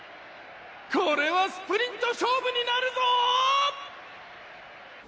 「これはスプリント勝負になるぞ！」